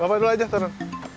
bapak dulu aja turun